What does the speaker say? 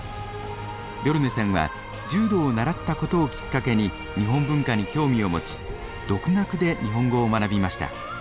ビョルネさんは柔道を習ったことをきっかけに日本文化に興味を持ち独学で日本語を学びました。